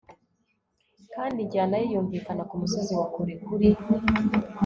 Kandi injyana ye yumvikana kumusozi wa kure kuri